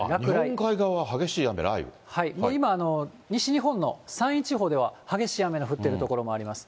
日本海側は激しい雨、今、西日本の山陰地方では激しい雨の降ってる所もあります。